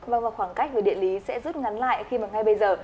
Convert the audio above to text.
vâng và khoảng cách về địa lý sẽ rút ngắn lại khi mà ngay bây giờ